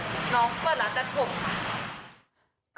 น้องเกิดลาตรัสกลูก